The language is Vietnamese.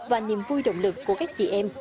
và niềm vui động lực của các chị em